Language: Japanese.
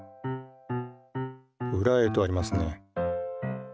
「ウラへ」とありますね。